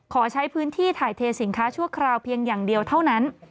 ขอใช้พื้นที่ถ่ายเทสินค้าชั่วคราวเพียงอย่างเดียวเท่านั้น